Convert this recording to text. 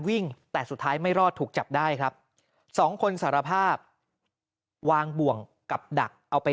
แต่สุดท้ายไม่รอดถูกจับได้ครับสองคนสารภาพวางบ่วงกับดักเอาไป